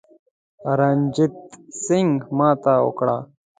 رنجیټ سینګه ماته وکړه.